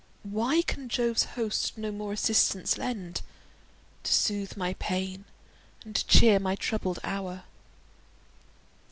Why can Jove's host no more assistance lend, To soothe my pains, and cheer my troubled hour?